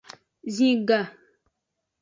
Zin ga.